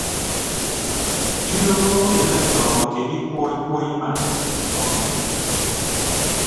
Idooho awodeen ọtọọñọke edikwọ ikwọ ima unọ fien.